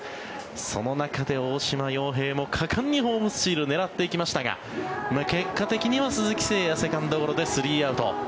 その中で大島洋平も果敢にホームスチールを狙っていきましたが結果的には鈴木誠也セカンドゴロで３アウト。